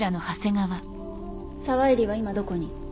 沢入は今どこに？